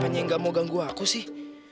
apanya yang gak mau ganggu aku sih